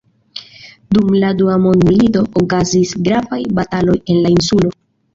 Dum la Dua Mondmilito okazis gravaj bataloj en la insulo.